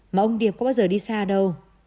mà ông điệp có bao giờ đi xa đâu